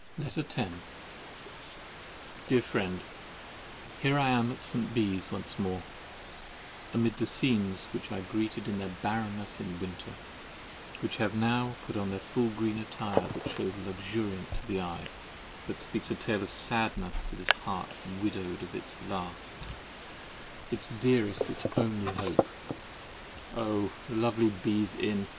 LETTER X Dear Friend, Here I am at St. Bees once more, amid the scenes which I greeted in their barrenness in winter; but which have now put on their full green attire that shews luxuriant to the eye, but speaks a tale of sadness to this heart widowed of its last, its dearest, its only hope! Oh! lovely Bees Inn!